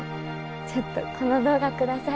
ちょっとこの動画下さい。